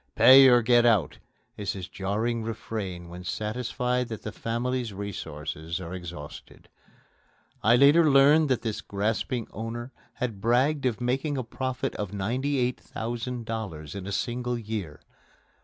"Pay or get out!" is his jarring refrain when satisfied that the family's resources are exhausted. I later learned that this grasping owner had bragged of making a profit of $98,000 in a single year.